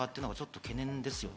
懸念ですね。